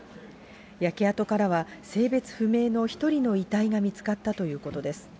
焼け跡からは、性別不明の１人の遺体が見つかったということです。